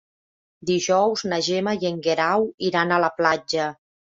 Dijous na Gemma i en Guerau iran a la platja.